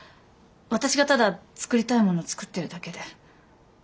私がただ作りたいものを作ってるだけで。